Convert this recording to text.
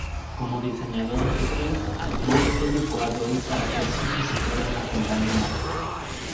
Como diseñador jefe, Vogt educó a Doi para ser su sucesor en la compañía.